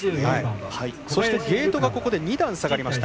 そしてゲートがここで２段下がりました。